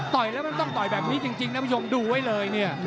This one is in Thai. ยแล้วมันต้องต่อยแบบนี้จริงนะผู้ชมดูไว้เลยเนี่ย